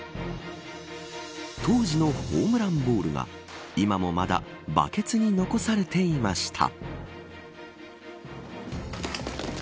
当時のホームランボールが今もまだバケツに残されていました。